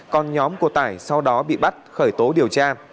còn nhóm của tải sau đó bị bắt khởi tố điều tra